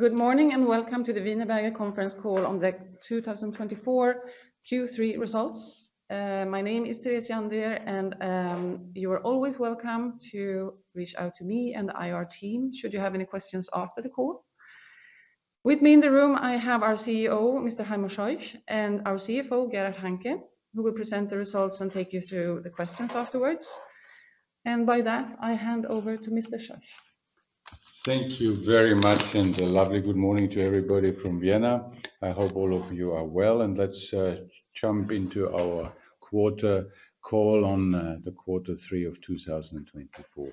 Good morning and welcome to the Wienerberger conference call on the 2024 Q3 results. My name is Therese Jandér and you are always welcome to reach out to me and the IR team should you have any questions after the call. With me in the room, I have our CEO, Mr. Heimo Scheuch, and our CFO, Gerhard Hanke, who will present the results and take you through the questions afterwards, and by that I hand over to Mr. Scheuch. Thank you very much. And a lovely good morning to everybody from Vienna. I hope all of you are well. And let's jump into our quarter call on the quarter 3 of 2024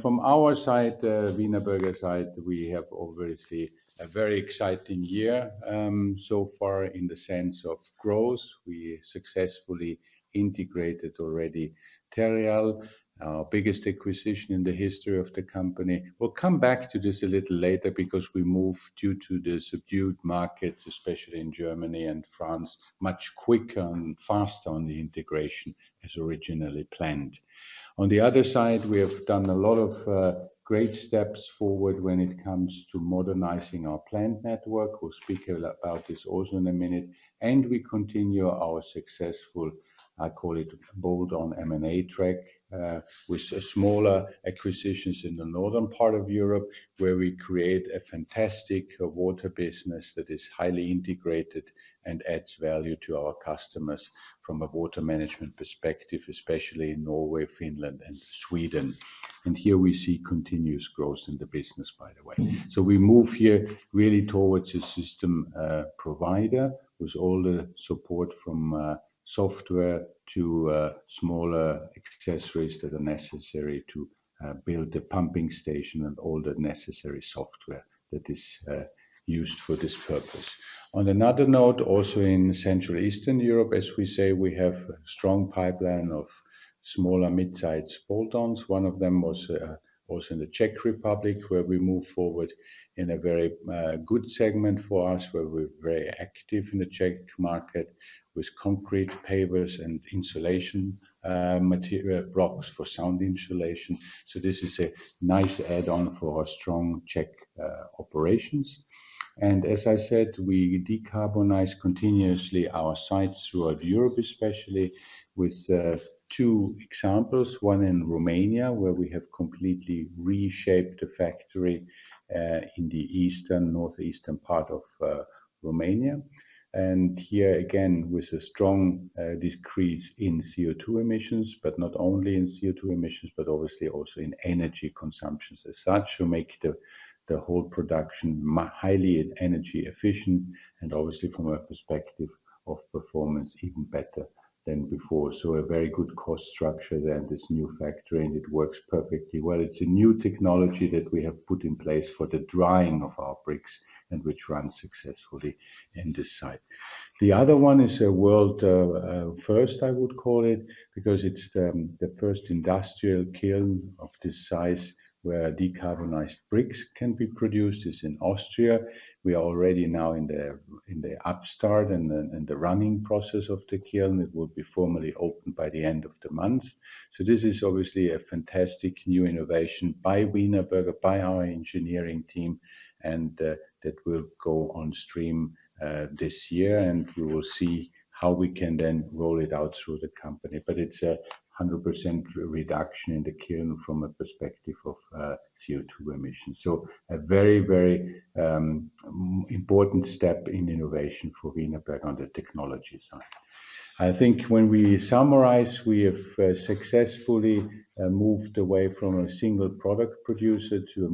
from. Our side, Wienerberger side. We have obviously a very exciting year. So far, in the sense of growth. We successfully integrated already Terreal, our biggest acquisition in the history of the company. We'll come back to this a little. Later, because we move due to the subdued markets, especially in Germany and France, much quicker and faster on the integration as originally planned. On the other side, we have done. A lot of great steps forward when it comes to modernizing our plant network. We'll speak about this also in a minute, and we continue our successful, I call it bolt-on M&A track with smaller acquisitions in the northern part of Europe where we create a fantastic water business that is highly integrated and adds value to our customers from a water management perspective, especially in Norway, Finland and Sweden, and here we see continuous growth in the business by the way, so we move here really towards a system provider which is with all the support from software to smaller accessories that are necessary to build the pumping station and all the necessary software that is used for this purpose. On another note, also in Central Eastern. Europe, as we say, we have strong pipeline of smaller mid-sized bolt-ons. One of them was in the Czech Republic where we move forward in a very good segment for us, where we're very active in the Czech market with concrete grid pavers and insulation material blocks for sound insulation. So this is a nice add-on for strong Czech operations. And as I said, we decarbonize continuously our sites throughout Europe, especially with two examples. One in Romania, where we have completely reshaped the factory in the eastern northeastern part of Romania and here again with a strong decrease in CO2 emissions, but not only in CO2 emissions, but obviously also in energy consumption as such to make the whole production highly energy efficient and obviously from a perspective of performance even better than before. So a very good cost structure then this new factory and it works perfectly well. It's a new technology that we have put in place for the drying of our bricks and which runs successfully in this site. The kiln is a world first I would call it because it's the first industrial kiln of this size where decarbonized bricks can be produced is in Austria. We are already now in the start-up and the running process of the kiln. It will be formally open by the end of the month. So this is obviously a fantastic new innovation by Wienerberger by our engineering team and that will go on stream this year and we will see how we can then roll it out through the company. But it's a 100% reduction in the kiln from a perspective of CO2 emissions. So a very, very important step in innovation for Wienerberger. On the technology side, I think when we summarize we have successfully moved away from a single product producer to a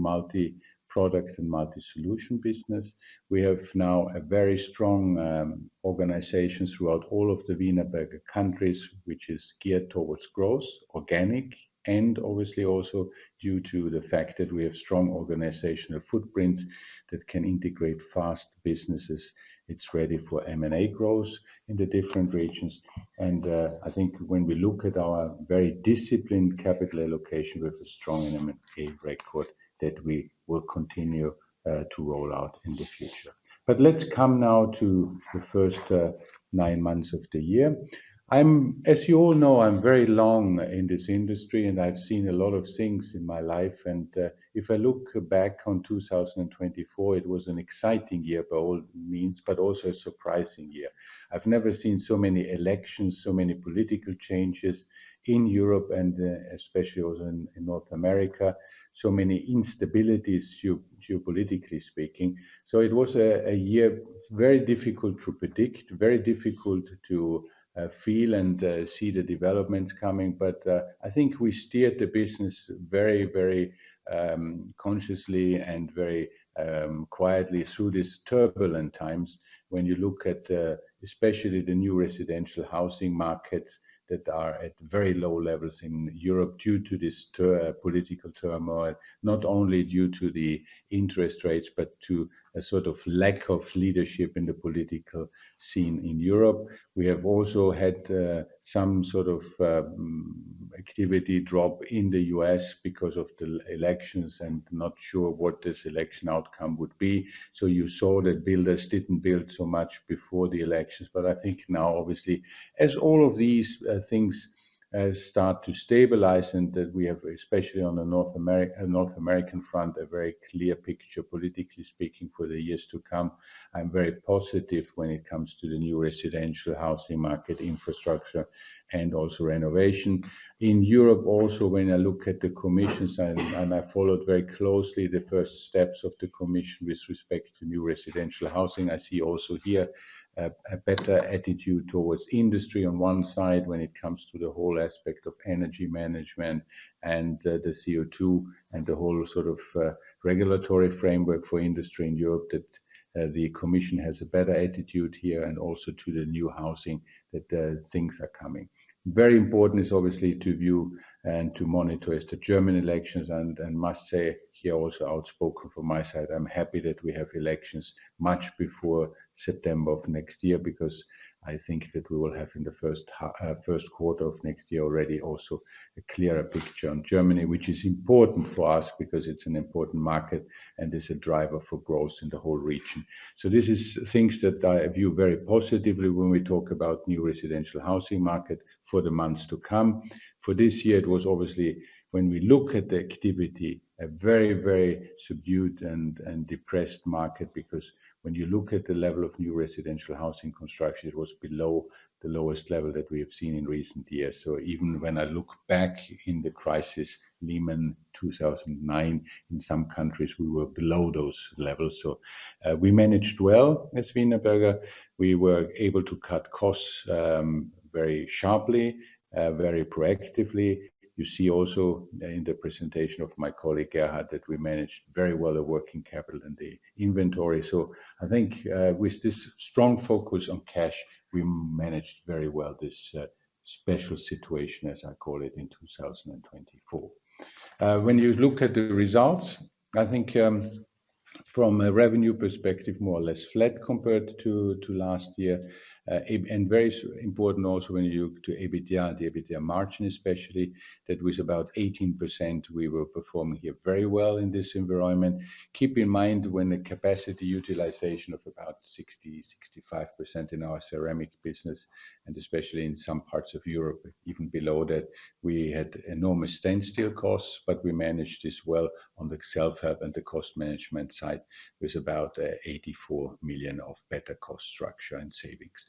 multi product and multi solution business. We have now a very strong organization throughout all of the Wienerberger countries which is geared towards growth organic and obviously also due to the fact that we have strong organizational footprints that can integrate fast businesses. It's ready for M&A growth in the different regions. And I think when we look at our very disciplined capital allocation with a strong that we will continue to roll out in the future. But let's come now to the first nine months of the year. As you all know, I'm very long. In this industry and I've seen a lot of things in my life. And if I look back on 2024, it was an exciting year by all means, but also a surprising year. I've never seen so many elections, so many political changes in Europe and especially in North America. So many instabilities, geopolitically speaking. So it was a year very difficult to predict, very difficult to feel and see the developments coming. But I think we steered the business very, very consciously and very quietly through these turbulent times. When you look at especially the new residential housing markets that are at very low levels in Europe due to this political turmoil, not only due to the interest rates but to a sort of lack of leadership in the political scene in Europe. We have also had some sort of activity drop in the U.S. because of the elections and not sure what this election outcome would be. So you saw that builders didn't build. So much before the elections. But I think now, obviously, as all. Of these things start to stabilize and that we have especially on the North American front, a very clear picture, politically speaking for the years to come. I'm very positive when it comes to the new residential housing market infrastructure and also renovation in Europe. Also when I look at the Commission. I followed very closely the first steps of the Commission with respect to new residential housing. I see also here a better attitude towards industry on one side when it comes to the whole aspect of energy management and the CO2 and the whole sort of regulatory framework for industry in Europe. That the Commission has a better attitude here and also to the new house. Announcing that things are coming very important. Obviously, to view and to monitor is the German elections. I must say here, also outspoken from my side, I'm happy that we have elections much before September of next year because I think that we will have in the first quarter of next year already also a clearer picture on Germany, which is important for us because it's an important market and is a driver for growth in the whole region. This is things that I view very positively. When we talk about new residential housing market for the months to come. This year, it was obviously, when we look at the activity, a very, very. Subdued and depressed market. Because when you look at the level of new residential housing construction, it was below the lowest level that we have seen in recent years. So even when I look back in the crisis Lehman 2009, in some countries we were below those levels. So we managed well. As Wienerberger, we were able to cut costs very sharply, very proactively. You see also in the presentation of my colleague Gerhard, that we managed very well the working capital and the inventory. So I think with this strong focus on cash, we managed very well. This special situation, as I call it in 2024, when you look at the results, I think from a revenue perspective, more or less flat compared to last year. And very important also when you look to EBITDA, the EBITDA margin, especially that with about 18% we were performing here very well in this environment. Keep in mind when the capacity utilization of about 60%-65% in our ceramic business and especially in some parts of Europe, even below that we had enormous standstill costs. But we managed this well on the self help and the cost management side with about 84 million of better cost structure and savings.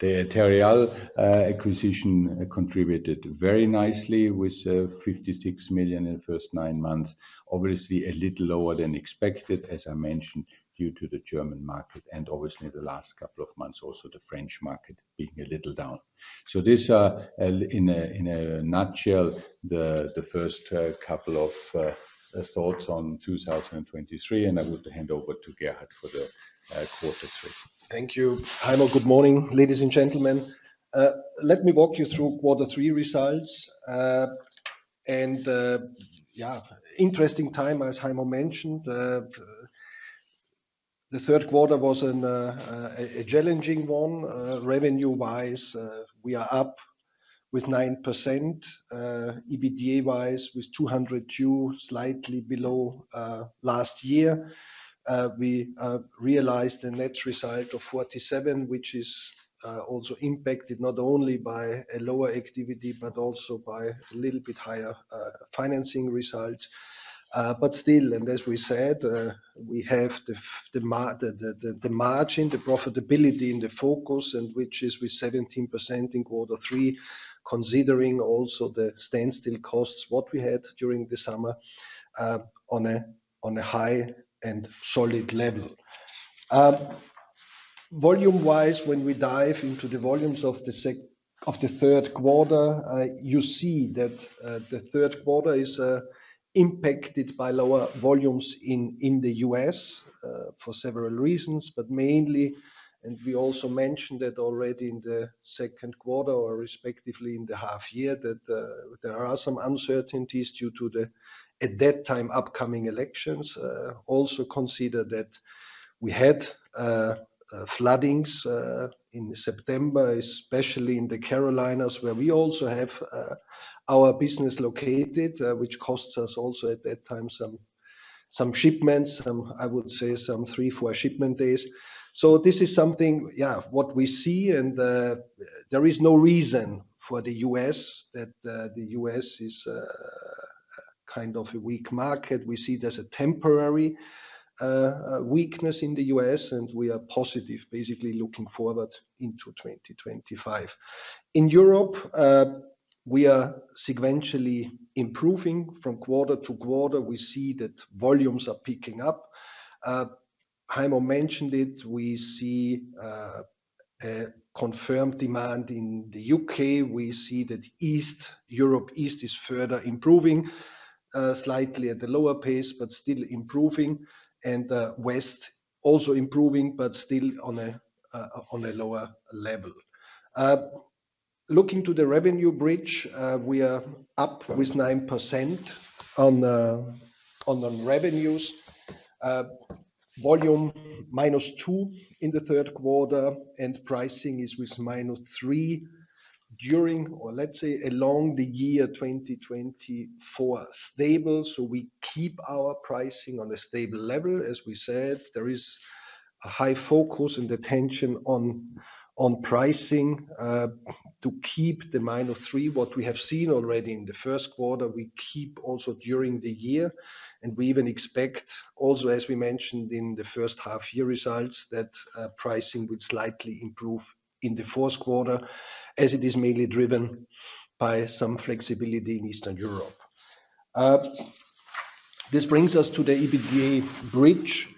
The Terreal acquisition contributed very nicely with 50.6 million in the first nine months. Obviously a little lower than expected, as I mentioned, due to the German market and obviously the last couple of months also the French market being a little down. So, this in a nutshell, the first couple of thoughts on 2023, and I would hand over to Gerhard for the quarter three. Thank you, Heimo. Good morning, ladies and gentlemen. Let me walk you through quarter three results. Yeah, interesting time. As Heimo mentioned, the third quarter was a challenging one. Revenue-wise, we are up 9%. EBITDA-wise, with 20.0% slightly below last year, we realized the net result of 47, which is also impacted not only by a lower activity but also by a little bit higher financing result. But still, and as we said, we have the margin, the profitability in focus, and which is with 17% in quarter three. Considering also the standstill costs what we had during the summer, on a high and solid level, volume-wise. When we dive into the volumes of the segment of the third quarter, you see that the third quarter is impacted by lower volumes in the U.S. for several reasons, but mainly, and we also mentioned that already in the second quarter or respectively in the half year that there are some uncertainties due to the at that time upcoming elections. Also consider that we had flooding in September, especially in the Carolinas, where we also have our business located, which costs us also at that time some shipments, I would say some three, four shipment days, so this is something. Yeah, what we see and there is no reason for the U.S. that the U.S. is kind of a weak market. We see there's a temporary weakness in the U.S. and we are positive basically looking forward into 2025. In Europe we are sequentially improving from quarter to quarter. We see that volumes are picking up. Jaime mentioned it. We see confirmed demand in the U.K. We see that East Europe East is further improving slightly at the lower pace but still improving. And West also improving but still on a lower level. Looking to the revenue bridge, we are up with 9% on the revenues volume -2% in the third quarter and pricing is with -3% during or let's say along the year 2024 stable. So we keep our pricing on a stable level. As we said, there is a high focus attention on pricing to keep the -3% what we have seen already in the first quarter. We keep also during the year and we even expect also as we mentioned in the first half year results that pricing would slightly improve in the fourth quarter as it is mainly driven by some flexibility in Eastern Europe. This brings us to the EBITDA bridge.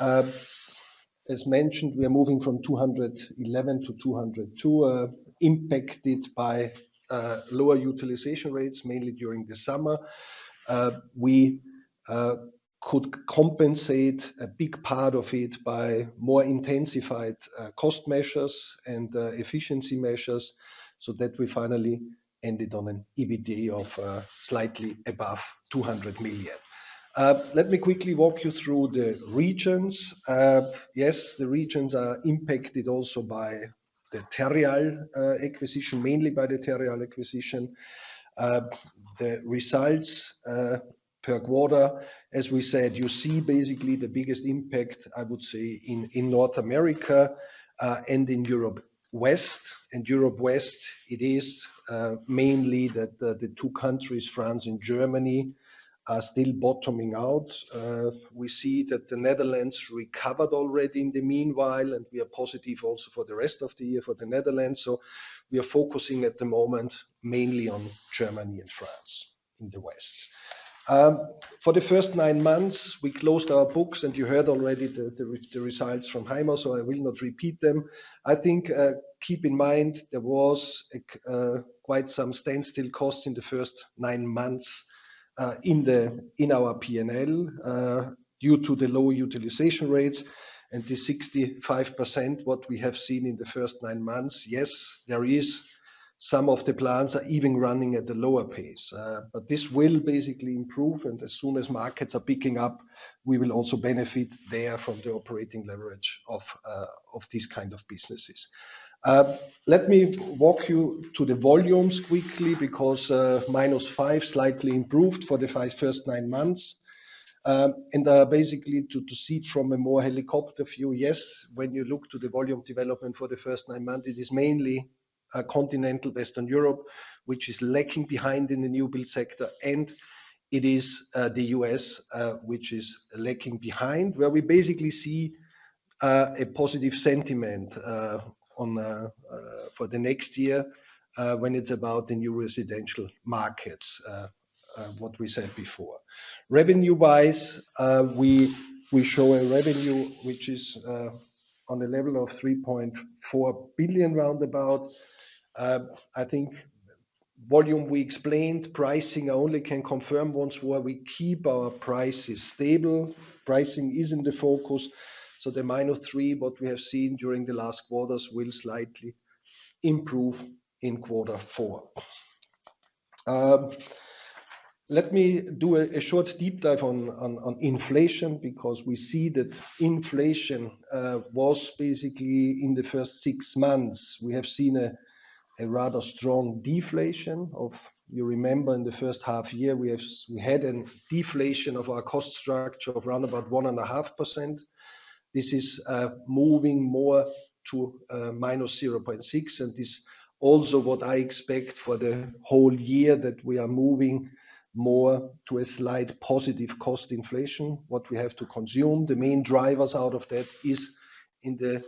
As mentioned, we are moving from 211 million to 202 million impacted by lower utilization rates mainly during the summer. We could compensate a big part of it by more intensified cost measures and efficiency measures so that we finally ended on an EBITDA of slightly above 200 million. Let me quickly walk you through the regions. Yes, the regions are impacted. Affected also by the Terreal acquisition, mainly by the Terreal acquisition. The results per quarter, as we said, you see basically the biggest impact, I would say in North America and in Western Europe. And Europe West, it is mainly that the two countries, France and Germany, are still bottoming out. We see that the Netherlands recovered already in the meanwhile and we are positive also for the rest of the year for the Netherlands. So we are focusing at the moment mainly on Germany and France in the West. For the first nine months we closed our books and you heard already the results from Heimo, so I will not repeat them. I think keep in mind there was quite some standstill costs in the first nine months in our P&L due to the low utilization rates and the 65%. What we have seen in the first nine months. Yes, there is some of the plants are even running at the lower pace. But this will basically improve. As soon as markets are picking up, we will also benefit there from the operating leverage of these kind of businesses. Let me walk you to the volumes quickly because -5% slightly improved for the first nine months. Basically to see from a more helicopter view, yes, when you look to the volume development for the first nine months, it is mainly continental Western Europe which is lacking behind in the new build sector and it is the U.S. which is lagging behind, where we basically see a positive sentiment for the next year when it's about the new residential markets. What we said before, revenue wise, we show a revenue which is on the level of 3.4 billion roundabout. I think volume. We explained pricing. I only can confirm once where we keep our prices stable. Pricing is in the focus. So the minus three what we have seen during the last quarters will slightly improve in quarter four. Let me do a short deep dive on inflation because we see that inflation was basically in the first six months. We have seen a rather strong deflation. You remember in the first half year we had a deflation of our cost structure of around 1.5%. This is moving more to -0.6%. And this also what I expect for the whole year, that we are moving more to a slight positive cost inflation. What we have to consume, the main drivers out of that is in the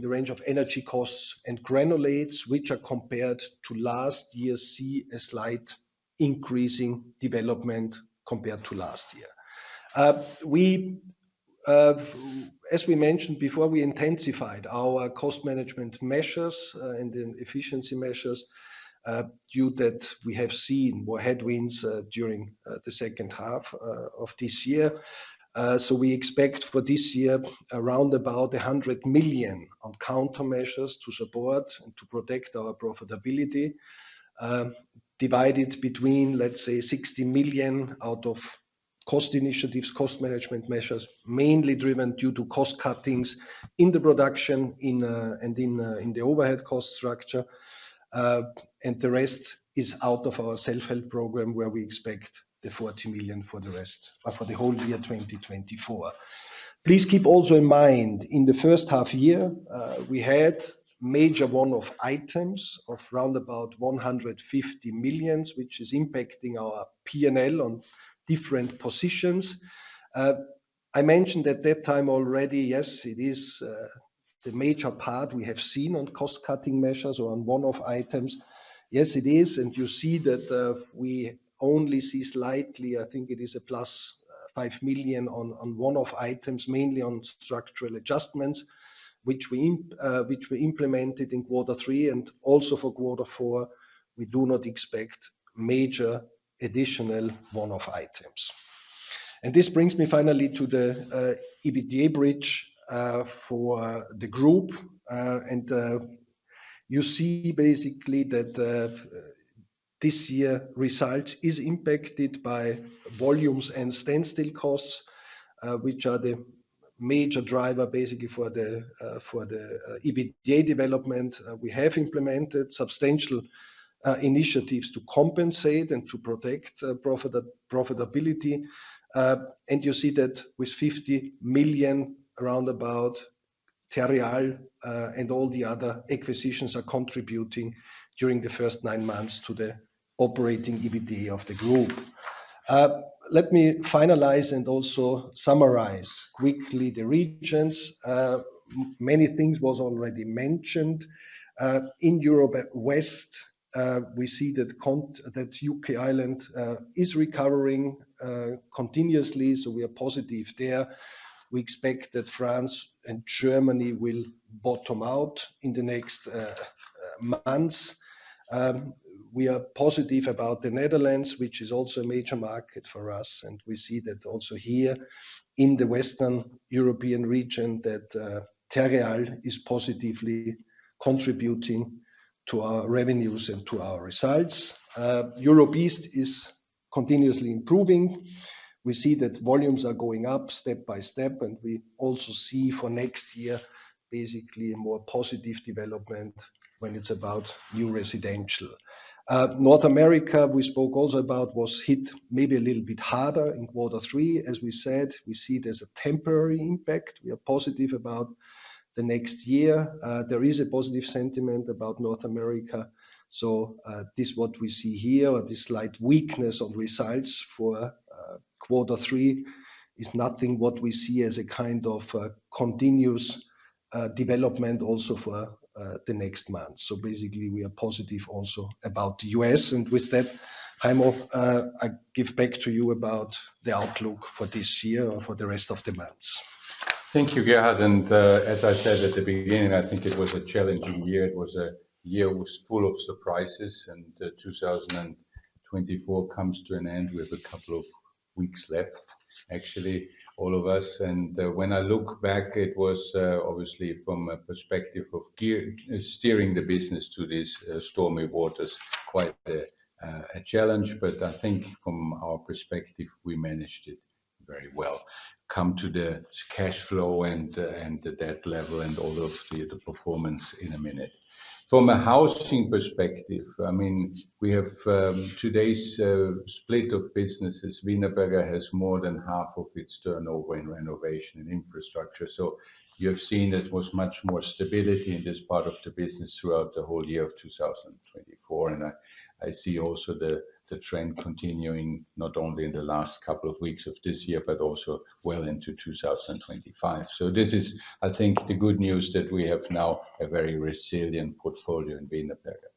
range of energy costs and granulates which are compared to last year, see a slight increasing development compared to last year. As we mentioned before, we intensified our cost management measures and efficiency measures due to the fact that we have seen more headwinds during the second half of this year. So we expect for this year around about 100 million on countermeasures to support and to protect our profitability. Divided between let's say 60 million out of cost initiatives, cost management measures mainly driven due to cost cuttings in the production and in the overhead cost structure. And the rest is out of our self-help program where we expect the 40 million for the rest for the whole year 2024. Please keep also in mind in the first half year we had major one-off items of roundabout 150 million which is impacting our P&L on different positions I mentioned at that time already. Yes, it is the major part we have seen on cost cutting measures on one-off items. Yes, it is. And you see that we only see slightly. I think it is a +5 million on one-off items, mainly on structural adjustments which we implemented in quarter three and also for quarter four we do not expect major additional one-off items. And this brings me finally to the EBITDA bridge for the group. And you see basically that this year result is impacted by volumes and standstill costs which are the major driver basically for the EBITDA development. We have implemented substantial initial initiatives to compensate and to protect profitability. And you see that with 50 million round about Terreal and all the other acquisitions are contributing during the first nine months to the operating EBITDA of the group. Let me finalize and also summarize quickly the regions. Many things were already mentioned in Europe West. We see that UK and Ireland is recovering continuously. So we are positive there. We expect that France and Germany will bottom out in the next months. We are positive about the Netherlands which is also a major market for us. And we see that also here in the Western European region that Terreal is positively contributing to our revenues and to our results. Europe East is continuously improving. We see that volumes are going up step by step. And we also see for next year basically a more positive development. When it's about new residential, North America, we spoke also about was hit maybe a little bit harder in quarter three. As we said, we see it as a temporary impact. We are positive about the next year. There is a positive sentiment about North America, so this is what we see here. This slight weakness of results for quarter three is nothing that we see as a kind of continuous development also for the next month, so basically we are positive also about the U.S. and with that, Heimo, I give back to you about the outlook for this year or for the rest of the months. Thank you, Gerhard. And as I said at the beginning, I think it was a challenging year. It was a year full of surprises and 2024 comes to an end. We have a couple of weeks left. Actually, all of us, and when I look back, it was obviously from a perspective of steering the business through these stormy waters, quite a challenge. But I think from our perspective we managed it very well, come to the cash flow and the debt level and all of the performance in a minute. It from a housing perspective, I mean we have today's split of businesses. Wienerberger has more than half of its turnover in renovation and infrastructure. So, you have seen that was much more stability in this part of the business throughout the whole year of 2024. I see also the trend continuing, not only in the last couple of weeks of this year, but also well into 2025. So this is, I think, the good news that we have now a very resilient portfolio in Wienerberger.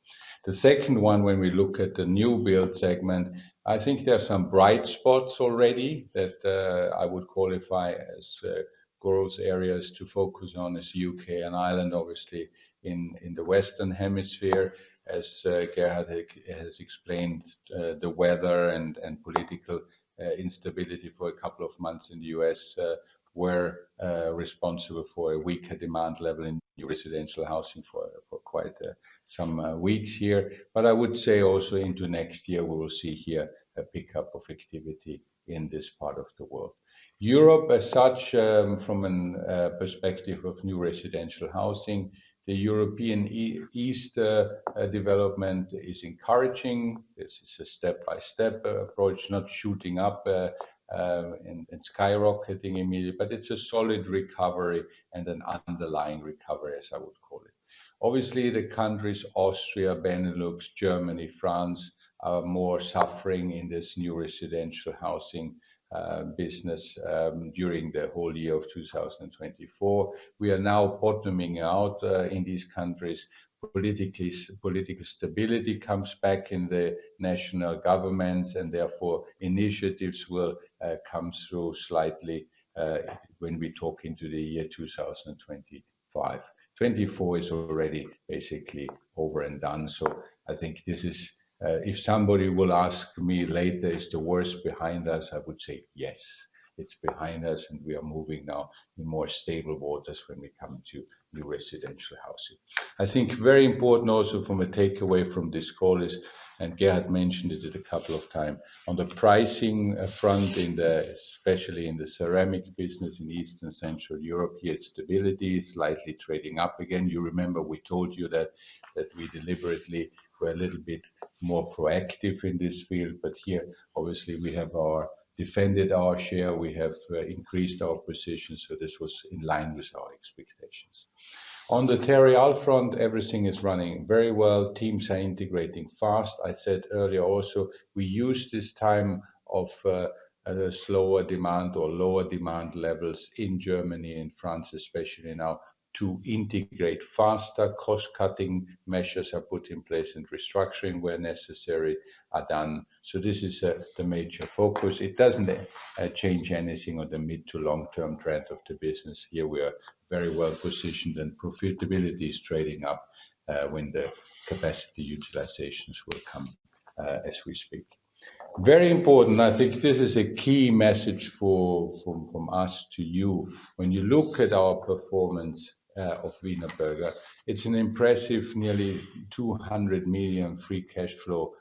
The second one, when we look at the new build segment, I think there are some bright spots already that I would qualify as growth areas to focus on: the U.K. and Ireland. Obviously in the Western Hemisphere. As Gerhard has explained, the weather and political instability for a couple of months in the U.S. were responsible for a weaker demand level in residential housing for quite some weeks here. But I would say also into next year we will see here a pickup of activity in this part of the world, Europe as such, from a perspective of new residential housing, the European East development is encouraging. This is a step by step approach, not shooting up and skyrocketing immediately, but it's a solid recovery and an underlying recovery as I would call it. Obviously the countries Austria, Benelux, Germany, France are more suffering in this new residential housing business during the whole year of 2024. We are now bottoming out in these countries politically. Political stability comes back in the national governments and therefore initiatives will come through slightly. When we talk into the year 2025, 2024 is already basically over and done. So, I think this is if somebody will ask me later: is the worst behind us? I would say yes, it's behind us and we are moving now in more stable waters when we come to new residential housing. I think very important. Also from a takeaway from this call is, and Gerhard mentioned it a couple of times on the pricing front in. The especially in the ceramic business in Eastern Central Europe. Here, stability is slightly trading up again. You remember we told you that we. Deliberately were a little bit more proactive in this field. But here obviously we have defended our share, we have increased our position. This was in line with our expectations. On the Terreal front, everything is running very well. Teams are integrated, as I said earlier also we use this time of slower demand or lower demand levels in Germany and France especially now to integrate faster cost-cutting measures are put in place and restructuring where necessary are done. So this is the major focus, it doesn't change anything on the mid to. Long-term trend of the business here. We are very well positioned and profitability. Is trading up when the capacity utilizations will come as we speak? Very important. I think this is a key message from us to you. When you look at our performance of Wienerberger, it's an impressive nearly 200 million free cash flow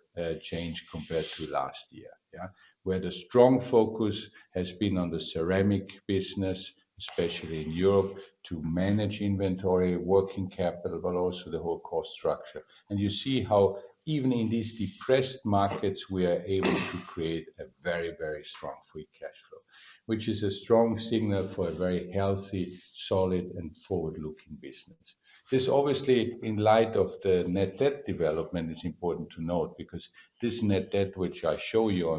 change compared to last year where the strong focus has been on the ceramic business, especially in Europe, to manage inventory, working capital, but also. The whole cost structure. You see how even in these depressed markets we are able to create. A very, very strong Free Cash Flow. Which is a strong signal for a very healthy, solid and forward looking business. This obviously, in light of the Net Debt development, is important to note because this Net Debt which I show you.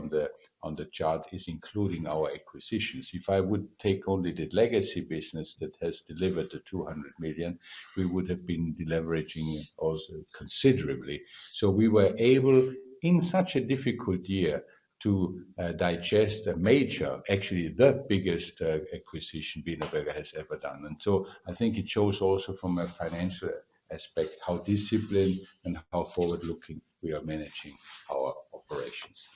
On the chart, including our acquisitions. If I would take only the legacy. business that has delivered the 200 million, we would have been deleveraging also considerably. So, we were able in such a difficult year to digest a major, actually. The biggest acquisition Wienerberger has ever done, and so I think it shows also. From a financial aspect, how disciplined and? How forward-looking we are managing our operations.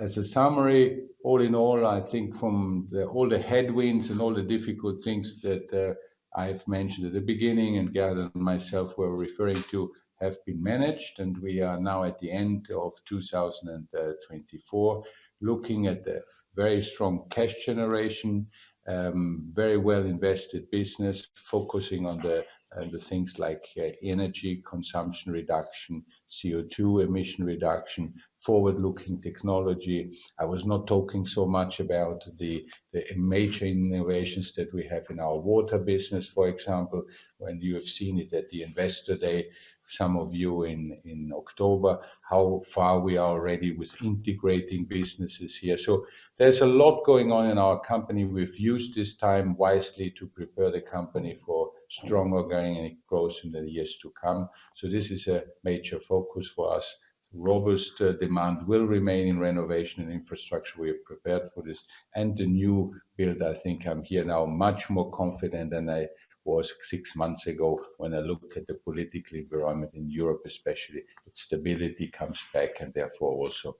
As a summary, all in all, I think from all the headwinds and all the difficult things that I have mentioned at the beginning and Gerhard and myself were referring to have been managed. We are now at the end. of 2024 looking at the very strong cash generation, very well invested business focusing on the things like energy consumption reduction. CO2 emission reduction, forward-looking technology. I was not talking so much about the major innovations that we have in our water business. For example, when you have seen it at the Investor Day, some of you in October, how far we are already with integrating businesses here. So there's a lot going on in our company. We've used this time wisely to prepare the company for strong organic growth in. The years to come. So this is a major focus for us. Robust demand will remain in renovation and infrastructure. We have prepared for this and the new. I think I'm here now much more confident than I was six months ago. When I look at the political environment in Europe, especially its stability comes back and therefore also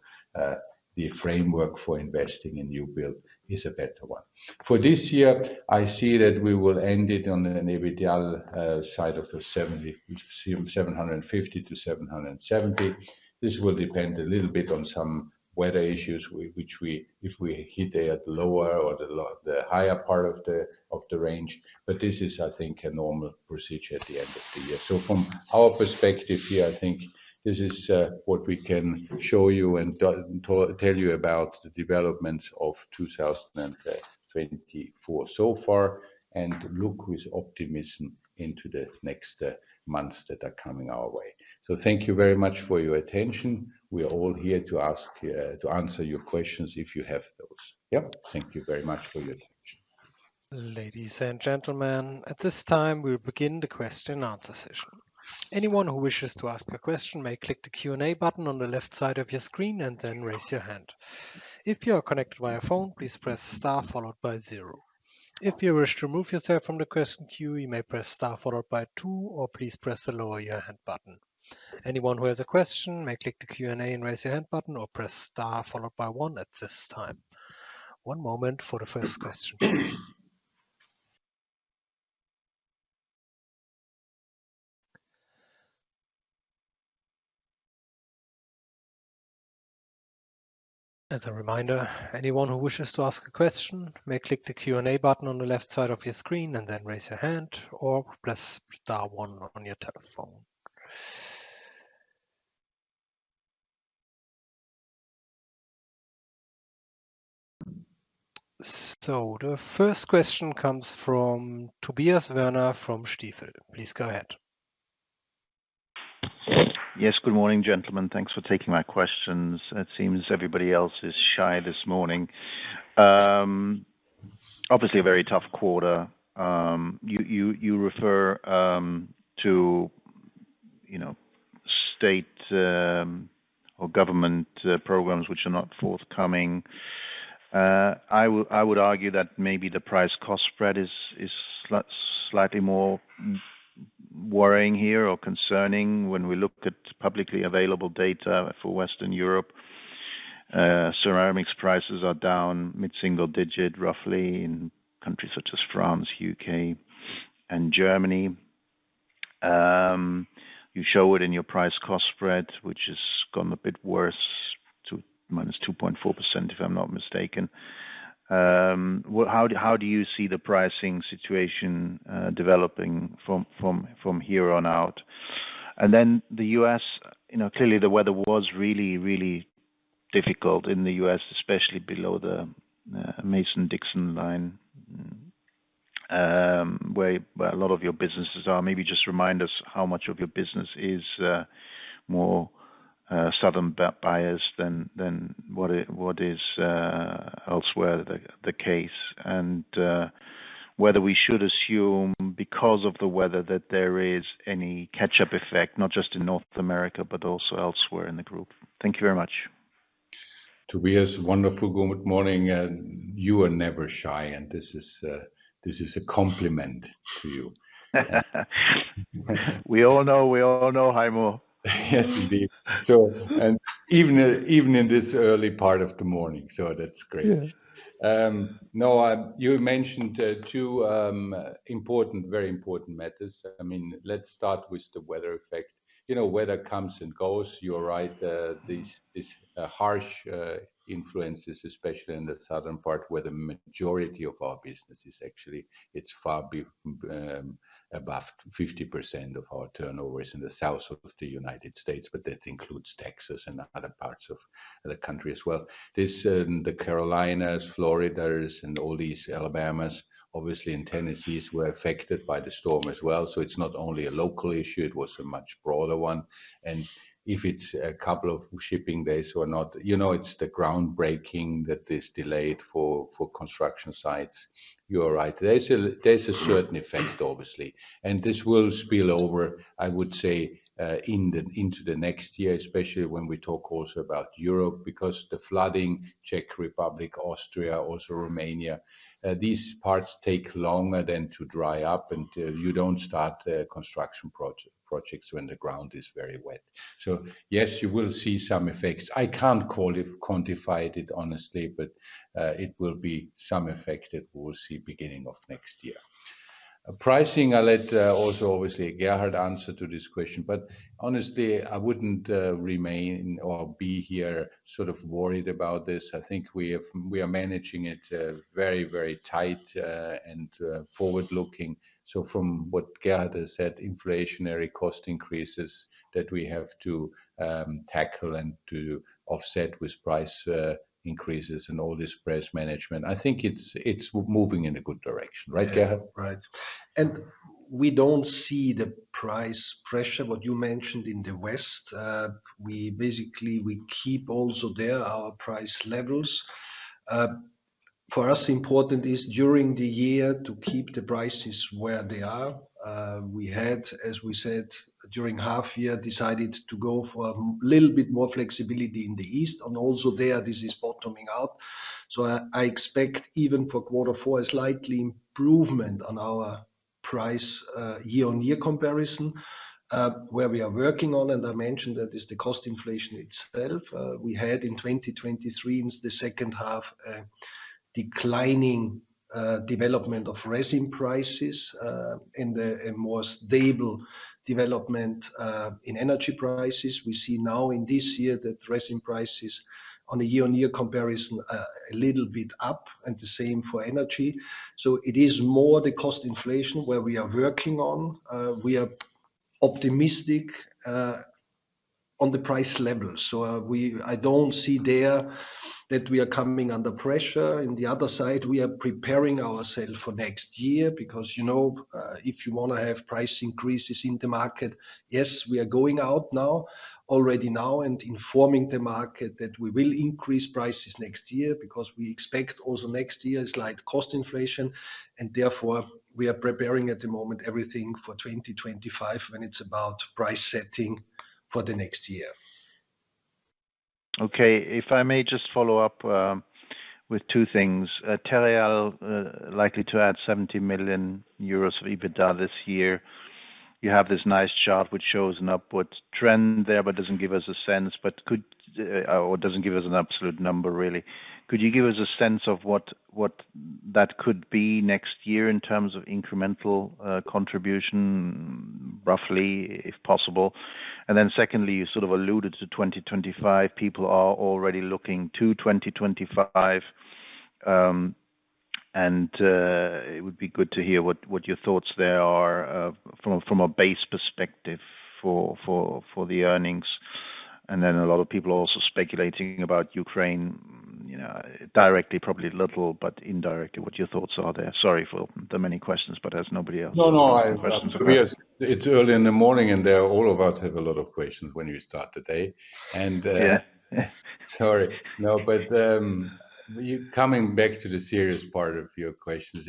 the framework for investing in new build is a better one for this year. I see that we will end it on an EBITDA side of the 750-770. This will depend a little bit on. Some weather issues which, if we hit lower or the higher part of the range. but this is, I think, a normal. Procedure at the end of the year. So from our perspective here, I think this is what we can show you and tell you about the developments of. 2024 so far and look with optimism into the next months that are coming our way. Thank you very much for your attention. We are all here to ask to. Answer your questions if you have those. Yep. Thank you very much for your attention. Ladies and gentlemen. At this time, we begin the question and answer session. Anyone who wishes to ask a question may click the Q&A button on the left side of your screen and then raise your hand. If you are connected via phone, please press star followed by zero. If you wish to remove yourself from the question queue, you may press star followed by two or please press the lower your hand button. Anyone who has a question may click the Q&A and raise your hand button or press star followed by one. At this time, one moment for the first question. As a reminder, anyone who wishes to ask a question may click the Q&A button on the left side of your screen and then raise your hand or press star one on your phone. So the first question comes from Tobias Woerner from Stifel. Please go ahead. Yes, good morning, gentlemen. Thanks for taking my questions. It seems everybody else is shy this morning. Obviously a very tough quarter. You refer to, you know, state or government programs which are not forthcoming. I would argue that maybe the price-cost spread is slightly more worrying here or concerning when we look at publicly available data for western Europe ceramics prices, are down mid single digit roughly in countries such as France, U.K. and Germany. You show it in your price-cost spread which has gone a bit worse to -2.4% if I'm not mistaken. How do you see the pricing situation developing from here on out? Then the U.S. clearly the weather was really really difficult in the U.S. especially below the Mason-Dixon line where a lot of your businesses are. Maybe just remind us how much of your business is more southern bias than what is elsewhere the case, and whether we should assume because of the weather that there is any catch up effect not just in North America but also elsewhere in the country group. Thank you very much. To be a wonderful good morning. You are never shy, and this is. This is a compliment to you. We all know. We all know Heimo. Yes, indeed so and even in this early part of the morning. That's great. No, you mentioned two important, very important matters. I mean, let's start with the weather effect. You know, weather comes and goes. You're right. These harsh influences, especially in the southern part where the majority of our business is actually, it's far above 50% of our turnover is in the South of the United States. But that includes Texas and other parts of the country as well. This, the Carolinas, Floridas, and all these Alabamas, obviously in Tennessee, were affected by the storm as well, so it's not only a local issue, it was a much broader one, and if it's a couple of shipping days or not, you know, it's the groundbreaking that is delayed for construction sites. You are right. There's a certain effect, obviously, and this will spill over, I would say, into the next year. Especially when we talk also about Europe because the flooding Czech Republic, Austria, also Romania, these parts take longer to dry up until you do start construction. Projects when the ground is very wet. So yes, you will see some effects. I can't call it quantified, honestly, but it will be some effect that. We will see beginning of next year. Pricing. I'll let also obviously Gerhard answer to this question, but honestly I wouldn't remain or be here sort of worried about this. I think we have, we are managing it very, very tight and forward looking. So from what Gerhard said, inflationary cost increases that we have to tackle and to offset with price increases and all this price management, I think it's moving in a good direction. Right Gerhard? Right. And we don't see the price pressure what you mentioned in the West. We basically keep also there our price levels. For us important is during the year to keep the prices where they are. We had as we said during half year decided to go for a little bit more flexibility in the east and also there this is bottoming out. So I expect even for quarter four a slightly improvement on our price year on year comparison. Where we are working on and I mentioned that is the cost inflation itself. We had in 2023, the second half, a declining development of resin prices and a more stable development in energy prices. We see now in this year that resin prices on the year on year comparison a little bit up and the same for energy. It is more the cost inflation where we are working on. We are optimistic on the price level. I don't see there that we are coming under pressure on the other side. We are preparing ourselves for next year because you know, if you want to have price increases in the market, yes, we are going out now, already now and informing the market that we will increase prices next year because we expect also next year slight cost inflation. Therefore we are preparing at the moment everything for 2025 when it's about price setting for the next year. Okay, if I may just follow up with two things. Terreal likely to add 70 billion euros of EBITDA this year. You have this nice chart which shows an upward trend there but doesn't give us a sense, but could or doesn't give us an absolute number really. Could you give us a sense of what, what that could be next year in terms of incremental contribution roughly if possible. And then secondly, you sort of alluded to 2025. People are already looking to 2025 and it would be good to hear what, what your thoughts there are from, from a base perspective for, for, for the earnings. And then a lot of people also speculating about Ukraine. You know, directly, probably little but indirectly what your thoughts are there. Sorry for the many questions, but there's nobody else. No, no, I have questions. Yes, it's early in the morning and therefore all of us have a lot. Of questions when you start the day. Sorry, no, but coming back to the serious part of your questions,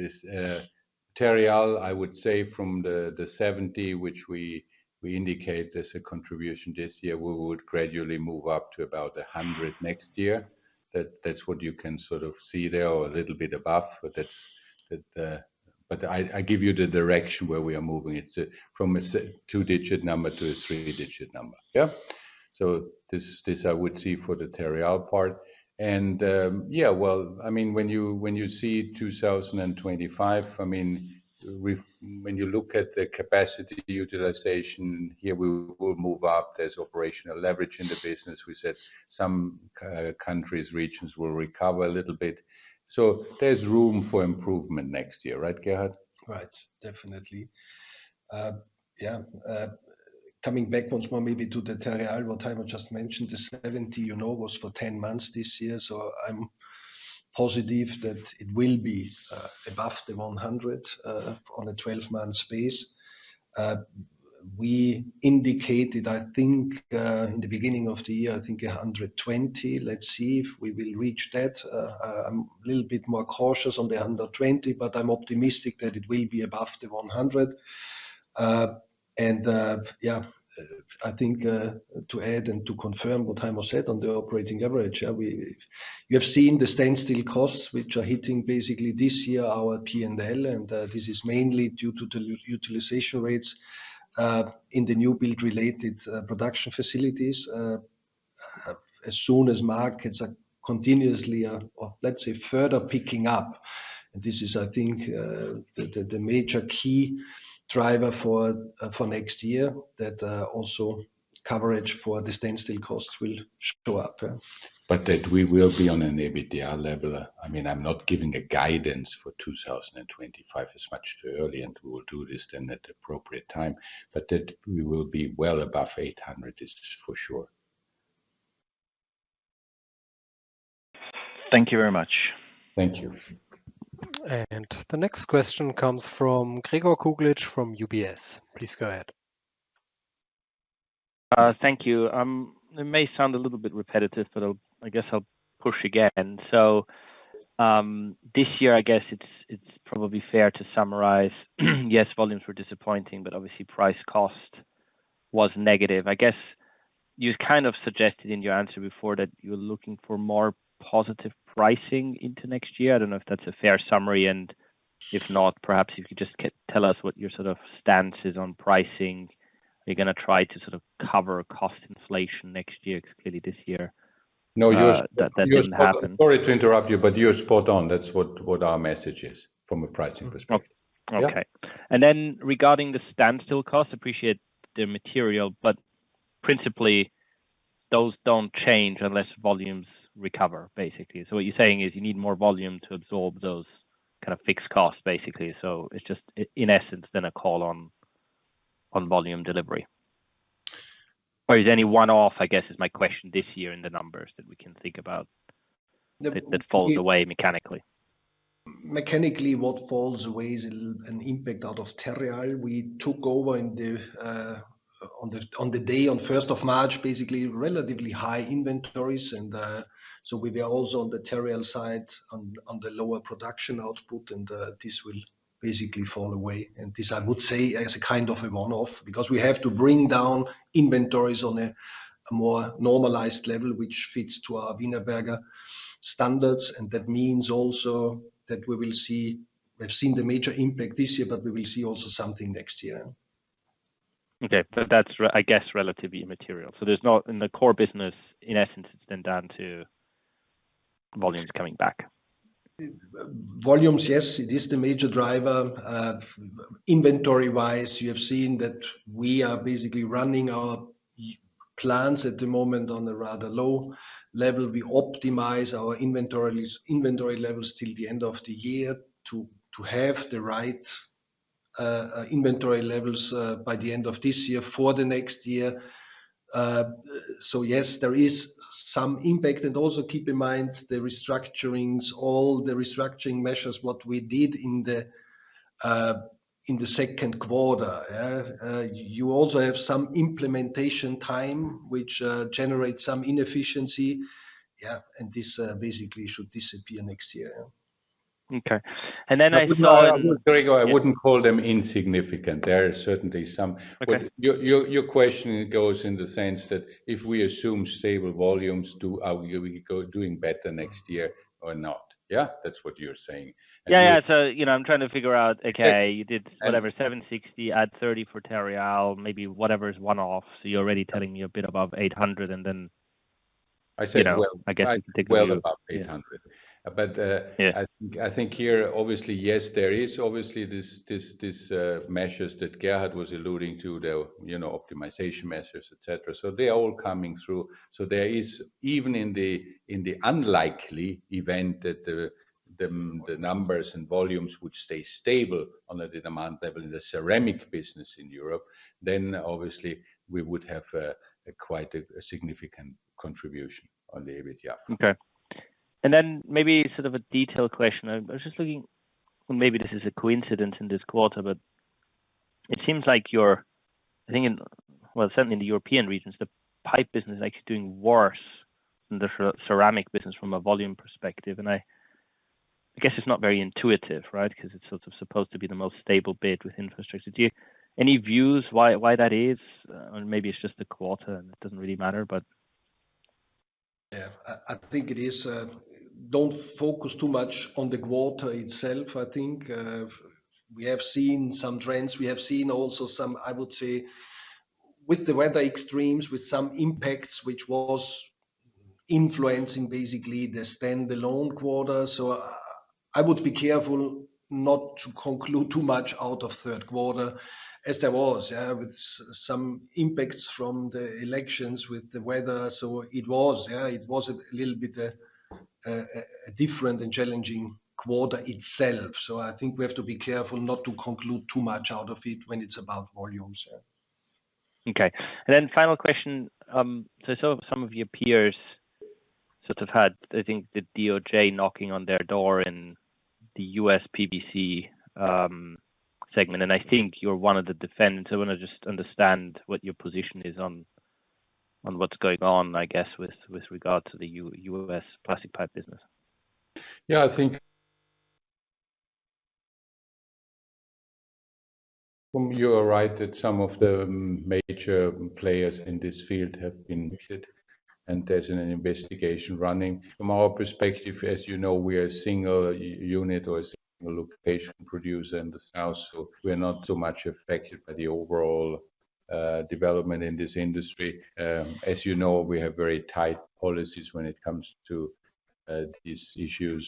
Terreal I would say from the 70 which we indicate as a contribution this year we would gradually move up to about 100 next year. That's what you can sort of see there or a little bit above. But I give you the direction where we are moving from a two digit number to a three digit number. Yeah. So this I would see for the Terreal part and yeah, well I mean when you see 2025, I mean when you look at the capacity utilization here, we will move up. There's operational leverage in the business. We said some countries, regions will recover a little bit. So there's room for improvement next year, right Gerhard? Right. Definitely. Yeah. Coming back once more maybe to the Terreal volume just mentioned the 70, you know, was for 10 months this year. So I'm positive that it will be above the 100 on a 12-month basis. We indicated I think in the beginning of the year, I think 120. Let's see if we will reach that. I'm a little bit more cautious on the 120, but I'm optimistic that it will be above the 100. And yeah, I think to add and to confirm what Heimo said on the operating leverage you have seen the standstill costs which are hitting basically this year our P&L. And this is mainly due to the utilization rates in the new build related production facilities. As soon as markets are continuously, let's say, further picking up and this is I think the major key driver for next year that also coverage for the standstill costs will show up but. That we will be on an EBITDA level. I mean, I'm not giving a guidance. For 2025, it's much too early and we will do this then at the appropriate time, but that we will be well above 800 is for sure. Thank you very much. Thank you. And the next question comes from Gregor Kuglitsch from UBS. Please go ahead. Thank you. It may sound a little bit repetitive, but I guess I'll push again. So this year I guess it's probably fair to summarize. Yes, volumes were disappointing but obviously price-cost was negative. I guess you kind of suggested in your answer before that you're looking for more positive pricing into next year. I don't know if that's a fair summary and if not, perhaps if you just tell us what your sort of stance is on pricing. Are you going to try to sort of cover cost inflation next year? Clearly this year that doesn't happen. Sorry to interrupt you, but you're spot on. That's what our message is from a pricing perspective. Okay. And then, regarding the standstill cost, appreciate the material but principally those don't change unless volumes recover, basically. So what you're saying is you need more volume to absorb those kind of fixed costs, basically. So it's just in essence then a call on volume delivery or is any one-off, I guess is my question this year in the numbers that we can think about that falls away mechanically. Mechanically, what falls away is an impact out of Terreal. We took over on the day on first of March, basically relatively high inventory. And so we were also on the Terreal side on the lower production output. And this will basically fall away. And this I would say as a kind of a one-off because we have to bring down inventories on a more normalized level which fits to our Wienerberger standards. And that means also that we will see. We've seen the major impact this year, but we will see also something next year. Okay, but that's, I guess, relatively immaterial. So there's not in the core business, in essence it's then down to volumes coming back volumes. Yes, it is the major driver inventory wise. You have seen that we are basically running our plants at the moment on a rather low level. We optimize our inventory levels till the end of the year to have the right inventory levels by the end of this year for the next year. So yes, there is some impact. And also, keep in mind the restructurings, all the restructuring measures, what we did in the second quarter. You also have some implementation time which generates some inefficiency. And this basically should disappear next year. Okay, and then I saw Gregor. I wouldn't call them insignificant. There are certain things, some. Your question goes in the sense that if we assume stable volumes do, are we doing better next year or not? Yeah, that's what you're saying. Yeah. So, you know, I'm trying to figure out, okay, you did whatever 760 add 30 for Terreal, maybe whatever the one-off is. So you're already telling me a bit above 800. And then I said well, I guess. Well, above 800. But yeah, I think here obviously, yes, there is obviously these measures that Gerhard was alluding to, the optimization measures, et cetera. So they are all coming through. So there is even in the unlikely event that the numbers and volumes would stay stable under the demand level in the ceramic business in Europe, then obviously. We would have quite a significant contribution on the EBITDA. Okay. And then maybe sort of a detailed question. I was just looking, maybe this is a coincidence in this quarter, but it seems like you are. Well, certainly in the European regions the pipe business is actually doing worse than the ceramic business from a volume perspective. And I guess it's not very intuitive. Right. Because it's sort of supposed to be the most stable bit with infrastructure. Do you have any views why that is? Or maybe it's just a quarter and it doesn't really matter. Yeah, I think it is focus too much on the quarter itself. I think we have seen some trends. We have seen also some. I would say with the weather extremes, with some impacts which was influencing basically the standalone quarter. I would be careful not to conclude too much out of third quarter as there was with some impacts from the elections, with the weather. So it was, it was a little bit a different and challenging quarter itself. I think we have to be careful not to conclude too much out of it when it's about volumes. Okay. And then final question. So some of your peers sort of had I think the DOJ knocking on their door in the U.S. PVC segment and I think you're one of the defendants. I want to just understand what your position is on what's going on, I guess with regard to the U.S. plastic pipe business. Yeah, I think you are right that some of the major players in this field have been. And there's an investigation running from our perspective. As you know, we are a single unit or a location producer in the south, so we're not so much affected by the overall development in this industry. As you know, we have very tight. Policies when it comes to these issues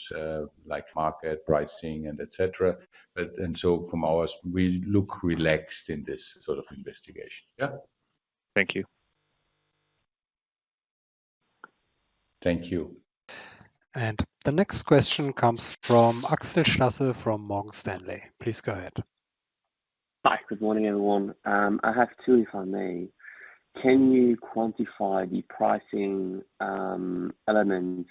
like market pricing and etc. And so from ours we look relaxed. In this sort of investigation. Yeah. Thank you. Thank you. And the next question comes from Axel Stasse from Morgan Stanley. Please go ahead. Hi, good morning everyone. I have two, if I may. Can you quantify the pricing elements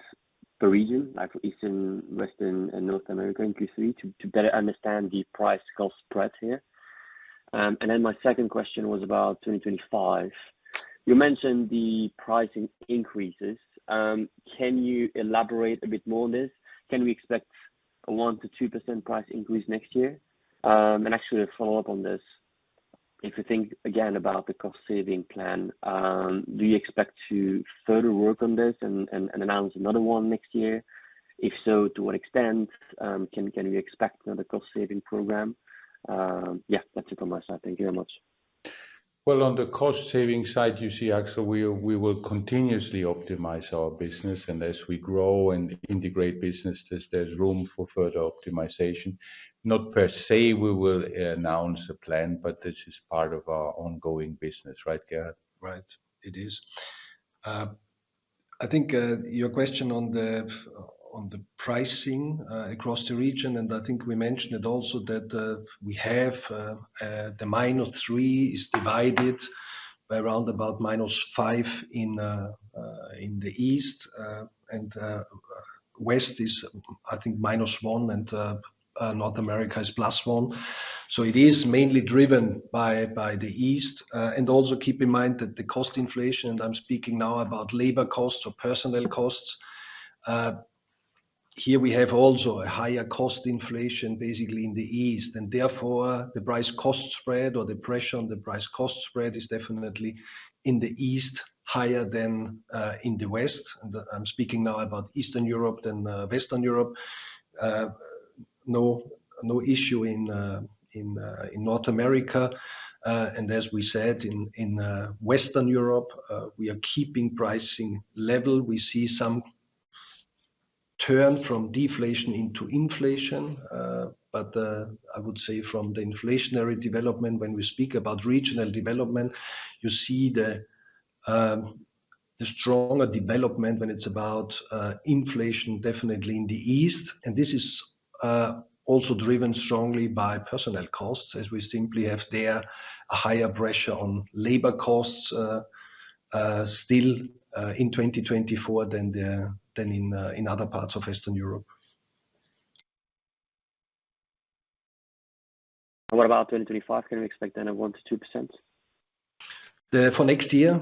per region, like Eastern, Western and North America in Q3 to better understand the price-cost spread here? And then my second question was about 2025. You mentioned the pricing increases. Can you elaborate a bit more this. Can we expect a 1%-2% price increase next year? And actually a follow up on this. If you think again about the cost saving plan, do you expect to further work on this and announce another one next year? If so, to what extent can we expect another cost saving program? Yeah, that's it on my side, thank you very much. On the cost saving side, you see, Axel, we will continuously optimize our business. And as we grow and integrate businesses, there's room for further optimization. Not per se, we will announce a plan. But this is part of our ongoing business, right, Gerhard? Right. It is, I think, your question on the pricing across the region, and I think we mentioned it also that we have the -3% is divided around about -5% in the east and west is I think -1% and North America is +1%. So it is mainly driven by the East. And also keep in mind that the cost inflation, and I'm speaking now about labor costs or personnel costs here, we have also a higher cost inflation basically in the east. And therefore the price-cost spread or the pressure on the price-cost spread is definitely in the east higher than in the West. I'm speaking now about Eastern Europe than Western Europe. No issue in North America. And as we said in Western Europe we are keeping pricing level. We see some turn from deflation into inflation. But I would say from the inflationary development, when we speak about regional development, you see the stronger development when it's about inflation definitely in the East. And this is also driven strongly by personnel costs, as we simply have there a higher pressure on labor costs still in 2024 than in other parts of Eastern Europe. What about 2025, can we expect then? Of 1%-2% for next year,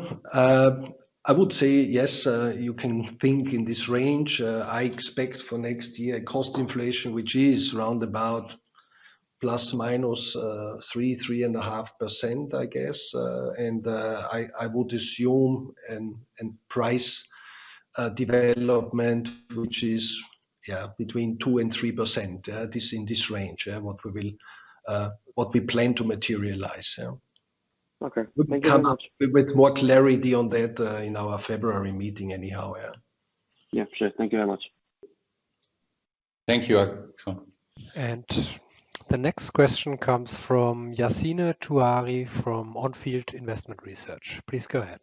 I would say yes, you can think in this range. I expect for next year cost inflation, which is round about ±3%-3.5%, I guess, and I would assume and price development, which is yeah, between 2% and 3% in this range. What we plan to materialize with more clarity on that in our February meeting anyhow. Yeah, sure. Thank you very much. Thank you. And the next question comes from Yassine Touahri from On Field Investment Research. Please go ahead.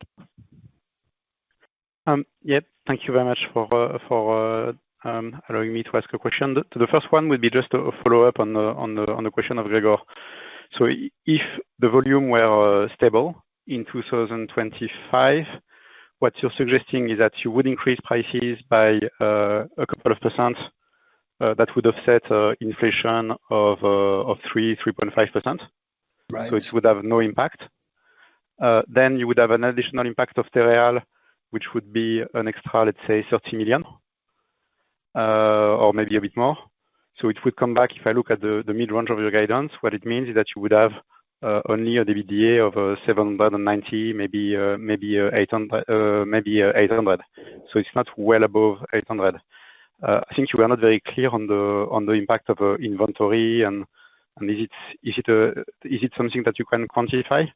Yep. Thank you very much for allowing me to ask a question. The first one would be just a follow up on the question of Gregor. So if the volume were stable in 2025, what you're suggesting is that you would increase prices by a couple of percent. That would offset inflation of 3%-3.5%, so it would have no impact. Then you would have an additional impact of Terreal, which would be an extra, let's say 30 million or maybe a bit more. So it would come back if I look at the mid range of your guidance, what it means is that you would have only an EBITDA of 790, maybe 800. So it's not well above 800. I think you are not very clear on the impact of inventory. And. Is it something that you can quantify?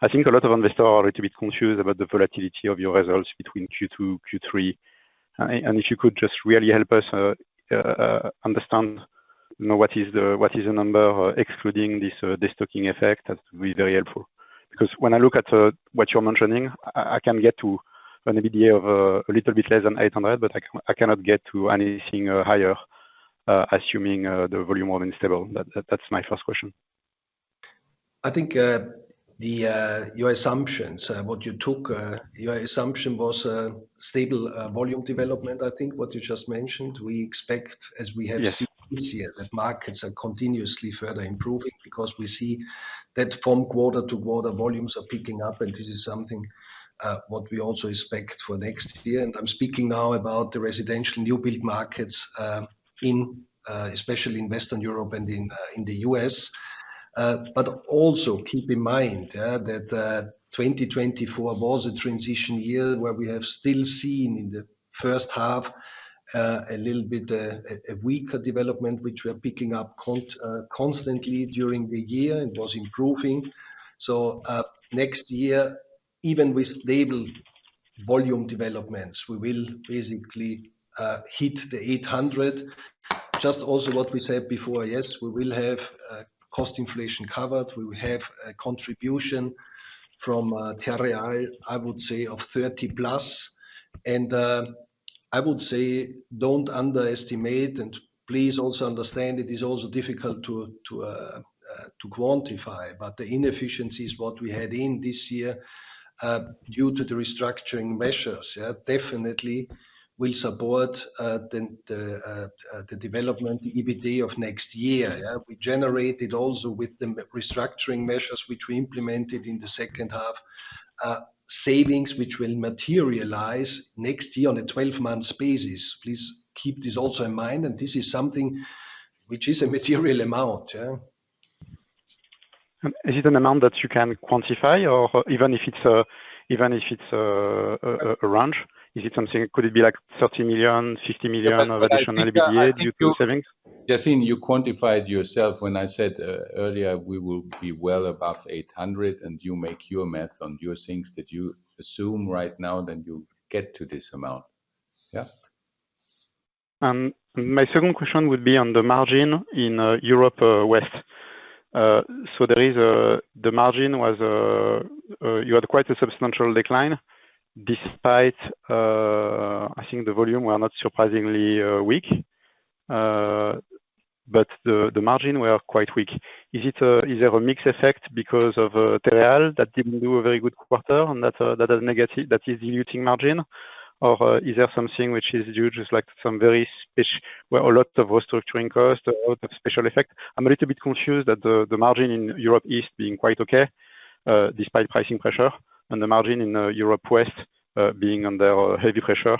I think a lot of investors are a little bit confused about the volatility of your results between Q2, Q3. And if you could just really help us understand what is the number excluding this destocking effect, that would be very helpful because when I look at what you're mentioning, I can get to an EBITDA of a little bit less than 800, but I cannot get to anything high assuming the volume was stable. That's my first question. I think your assumptions, what you took, your assumption was stable volume development. I think what you just mentioned, we expect as we have seen this year that markets are continuously further improving because we see that from quarter to quarter volumes are picking up. And this is something what we also expect for next year and I'm speaking now about the residential new build market especially in Western Europe and in the U.S. but also keep in mind that 2024 was a transition year where we have still seen in the first half a little bit a weaker development which we are picking up constantly during the year and was improving. So next year even with stable volume developments, we will basically hit the 800. Just also what we said before, yes, we will have cost inflation covered. We will have a contribution from Terreal, I would say, of 30+. I would say don't underestimate and please also understand it is also difficult to quantify, but the inefficiencies what we had in this year due to the restructuring measures definitely will support the development EBITDA of next year. We generated also with the restructuring measures which we implemented in the second half savings which will materialize next year on a 12-month basis. Please keep this also in mind, and this is something which is a material amount. Is it an amount that you can quantify or even if it's a range, is it something, could it be like 30 million, 50 million of additional EBITDA? Yassine, you quantified yourself when I said earlier we will be well above 800 and you make your math on your things that you assume right now, then you get to this amount. Yeah, and my second question would be on the margin in Europe West. So there is the margin was you had quite a substantial decline despite I think the volume were not surprisingly weak, but the margin were quite weak. Is there a mix effect because of Terreal that didn't do a very good quarter and that is negative, that is diluting margin or is there something which is due just like some very special where a lot of restructuring cost a lot of special effect. I'm a little bit confused at the margin in Europe East being quite okay despite pricing pressure and the margin in Europe West being under heavy pressure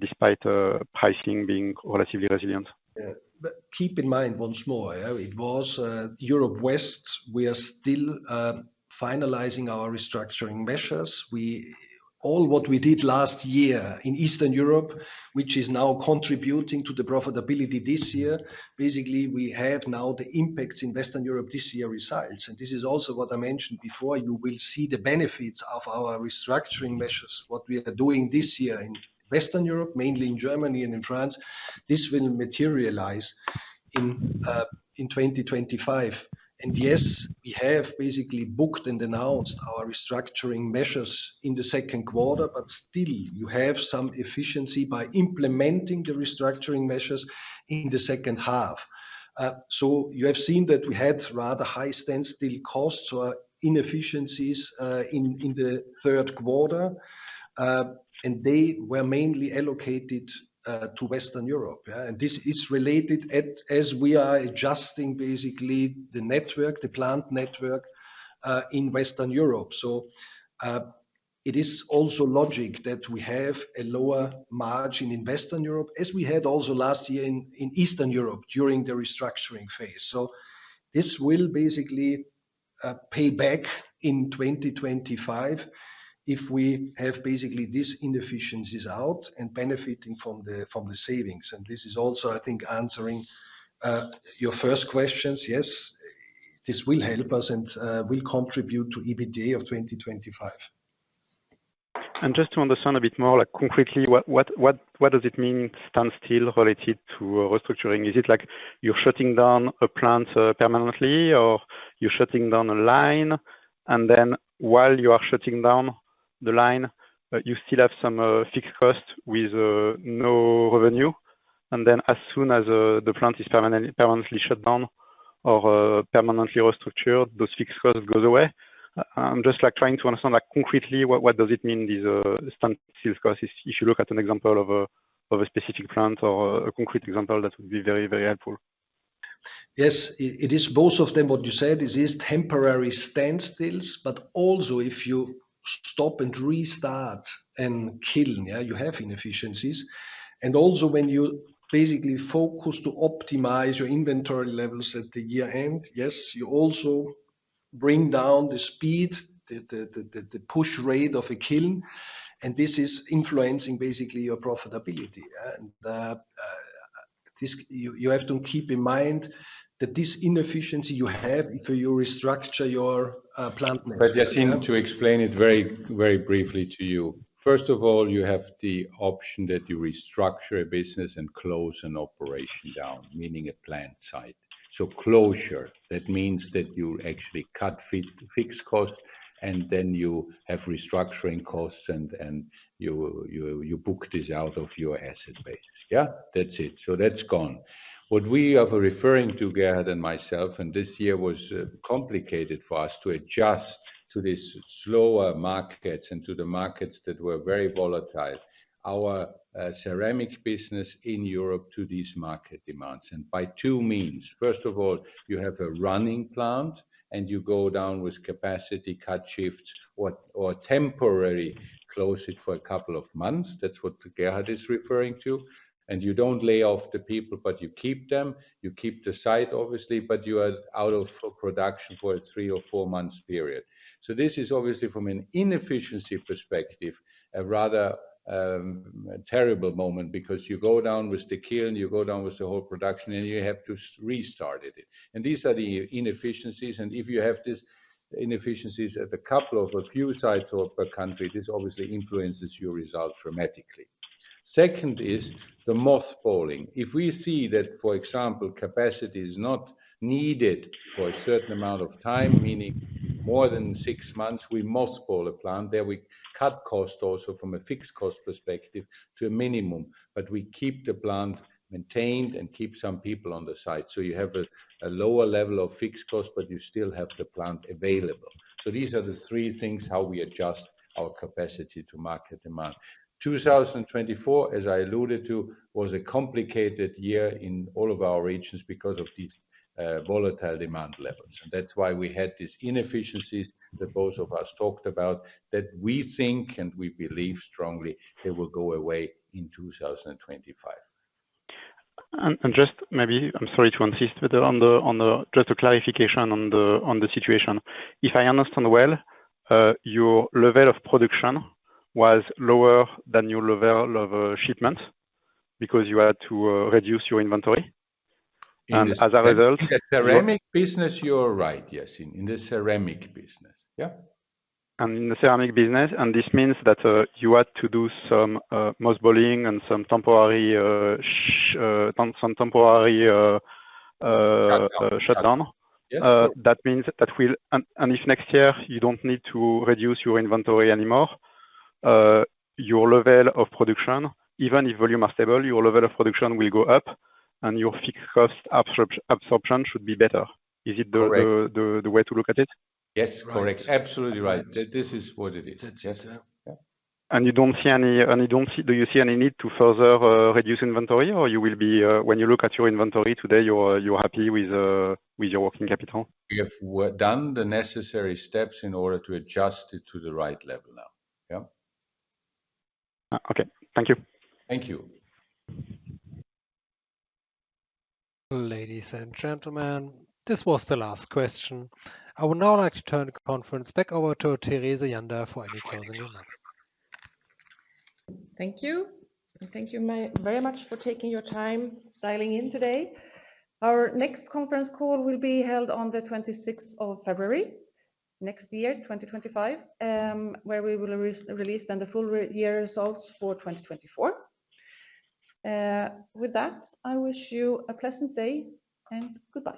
despite pricing being relatively resilient. Keep in mind once more it was Western Europe. We are still finalizing our restructuring measures. We saw what we did last year in Eastern Europe which is now contributing to the profitability this year. Basically we have now the impacts in Western Europe this year results. And this is also what I mentioned before. You will see the benefits of our restructuring measures what we are doing this year in Western Europe, mainly in Germany and in France. This will materialize in 2025. And yes, we have basically booked and announced our restructuring measures in the second quarter. But still you have some inefficiency by implementing the restructuring measures in the second half. So you have seen that we had rather high standstill costs or inefficiencies in the third quarter and they were mainly allocated to Western Europe. This is related as we are adjusting basically the network, the plant network in Western Europe. It is also logical that we have a lower margin in Western Europe as we had also last year in Eastern Europe during the restructuring phase. This will basically pay back in 2025 if we have basically these inefficiencies out and benefiting from the savings. This is also, I think, answering your first questions. Yes, this will help us and will contribute to EBITDA of 2025. Just to understand a bit more concretely, what does it mean standstill related to restructuring? Is it like you're shutting down a plant permanently or you're shutting down a line? And then while you are shutting down the line, you still have some fixed cost with no revenue, and then as soon as the plant is permanently shut down or permanently restructured, those fixed costs goes away. I'm just like trying to understand that concretely. What does it mean, these standstill costs? If you look at an example of a specific plant or a concrete example, that would be very, very helpful. Yes, it is both of them. What you said is these temporary standstills. But also if you stop and restart a kiln, you have inefficiencies. And also when you basically focus to optimize your inventory levels at the year end. Yes. You also bring down the speed, the push rate of a kiln, and this is influencing basically your profitability. You have to keep in mind that this inefficiency you have if you restructure your. But Yassine, to explain it very, very briefly to you, first of all, you have the option that you restructure a business and close an operation down, meaning a plant site. Closure, that means that you actually cut fixed costs and then you have restructuring costs and you book this out of your asset base. Yeah, that's it. So that's gone. What we are referring to Gerhard and myself. And this year was complicated for us to adjust to these slower markets and to the markets that were very volatile, our ceramic business in Europe, to these market demands. And by two means, first of all, you have a running plant and you go down with capacity, cut shifts or temporary close it for a couple of months. That's what Gerhard is referring to. And you don't lay off the people, but you keep them. You keep the site, obviously, but you are out of production for a three or four months period. So this is obviously, from an inefficiency perspective, a rather terrible moment. Because you go down with the kiln, you go down with the whole production and you have to restart it. And these are the inefficiencies. And if you have these inefficiencies at a couple of a few sites or per country, this obviously influences your results dramatically. Second is the mothballing. If we see that, for example, capacity is not needed for a certain amount of time, meaning more than six months, we mothball a plant there. We cut cost also from a fixed cost perspective to a minimum. But we keep the plant maintained and keep some people on the site. So you have a lower level of fixed cost, but you still have the plant available. So these are the three things. How we adjust our capacity to market demand. 2024, as I alluded to, was a complicated year in all of our regions because of these volatile demand levels. And that's why we had these inefficiencies that both of us talked about that we think and we believe strongly they will go away in 2025. I'm sorry to insist, but just a clarification on the situation if I understand. Your level of production was lower than your level of shipment because you had to reduce your inventory and as a result, In the ceramic business, you're right. Yes. In the ceramic business. Yeah. In the ceramic business, this means that you had to do some mothballing and some temporary shutdown. That means that will. If next year you don't need to reduce your inventory anymore, your level of production, even if volume are stable, your level of production will go up and your fixed cost absorption should be better. Is it the way to look at it? Yes. Correct. Absolutely right. This is what it is. And you don't see any. Do you see any need to further reduce inventory or you will be. When you look at your inventory today, you're happy with your working capital. We have done the necessary steps in order to adjust it to the right level now. Okay, thank you. Thank you. Ladies and gentlemen. This was the last question. I would now like to turn the conference back over to Therese Jandér for any closing remarks. Thank you. Thank you. Thank you very much for taking your time dialing in today. Our next conference call will be held on the 26th of February next year, 2025, where we will release then the full year results for 2024. With that, I wish you a pleasant day and goodbye.